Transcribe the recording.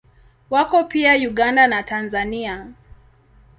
Wako pia Uganda na Tanzania.